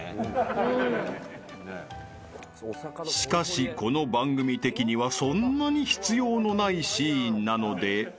［しかしこの番組的にはそんなに必要のないシーンなので］